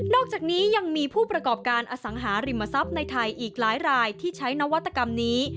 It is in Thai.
อกจากนี้ยังมีผู้ประกอบการอสังหาริมทรัพย์ในไทยอีกหลายรายที่ใช้นวัตกรรมนี้